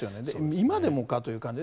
今でもかという感じで。